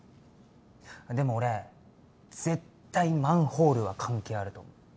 でも俺絶対マンホールは関係あると思う。